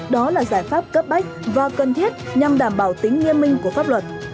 đó là giải pháp cấp bách và cần thiết nhằm đảm bảo tính nghiêm minh của pháp luật